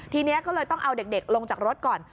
ทีนี้ก็เลยต้องเอาเด็กลงจากรถก่อน